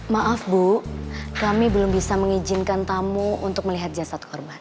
maaf bu kami belum bisa mengizinkan tamu untuk melihat jasad korban